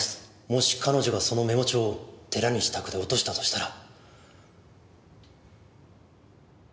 もし彼女がそのメモ帳を寺西宅で落としたとしたら。